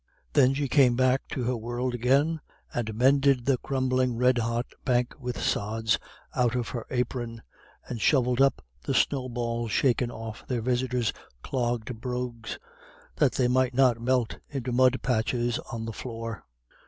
Then she came back to her world again, and mended the crumbling red hot bank with sods out of her apron, and shovelled up the snow balls shaken off their visitors' clogged brogues, that they might not melt into mud patches on the floor.